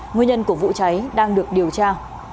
nguyên nhân của vụ cháy đang được điều tra